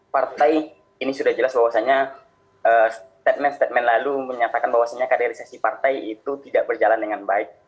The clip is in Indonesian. partai ini sudah jelas bahwasannya statement statement lalu menyatakan bahwasannya kaderisasi partai itu tidak berjalan dengan baik